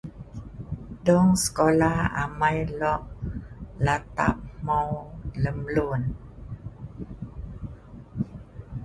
Dong Sekolah amai lo' latap hmeu' lem lun.